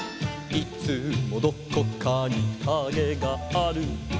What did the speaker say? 「いつもどこかにカゲがある」